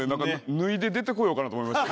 脱いで出てこようかなと思いました。